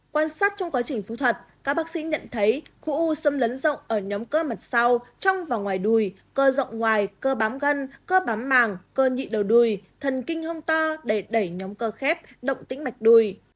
quan sát trong quá trình phẫu thuật các bác sĩ nhận thấy khu u xâm lấn rộng ở nhóm cơ mật sau trong và ngoài đùi cơ rộng ngoài cơ bám gân cơ bám màng cơ nhị đầu đùi thần kinh hông to để đẩy nhóm cơ khép động tĩnh mạch đùi